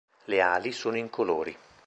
Le ali sono incolori.